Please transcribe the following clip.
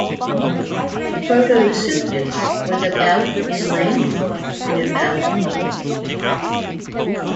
"Protosuchus" was about in length and about in weight.